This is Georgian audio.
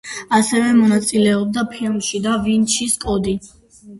ასევე მონაწილეობდა ფილმში „და ვინჩის კოდი“.